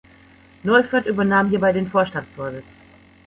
Neufert übernahm hierbei den Vorstandsvorsitz.